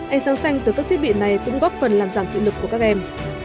ánh sáng xanh từ các thiết bị này cũng góp phần làm giảm thị lực của các em